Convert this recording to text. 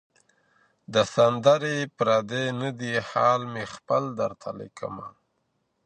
دا سندري پردۍ نه دي حال مي خپل درته لیکمه.